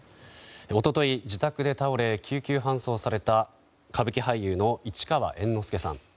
一昨日、自宅で倒れ救急搬送された歌舞伎俳優の市川猿之助さん。